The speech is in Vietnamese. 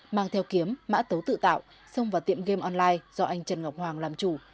mang theo kiếm mã tấu tự tạo xông vào tiệm game online do anh trần ngọc hoàng làm chủ